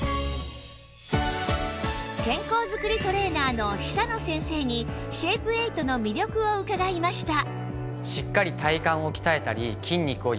健康づくりトレーナーの久野先生にシェイプエイトの魅力を伺いました